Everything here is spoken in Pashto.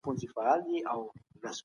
د روم پخواني خدایان نور هېڅ ارزښت نه لري.